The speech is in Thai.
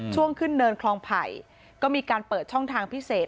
ช่วงขึ้นเนินคลองไผ่ก็มีการเปิดช่องทางพิเศษ